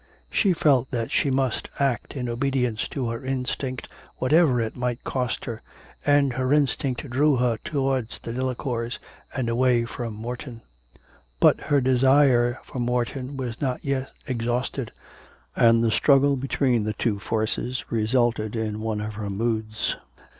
She felt that she must act in obedience to her instinct whatever it might cost her, and her instinct drew her towards the Delacours and away from Morton. But her desire for Morton was not yet exhausted, and the struggle between the two forces resulted in one of her moods.